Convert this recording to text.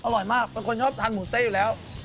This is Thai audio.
อร่อยมากเป็นคนชอบทานหมูเต้อยู่แล้ว